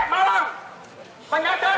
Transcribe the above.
kekurangan dan kesalahan